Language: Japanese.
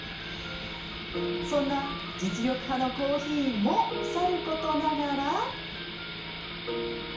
そんな実力派のコーヒーもさることながら。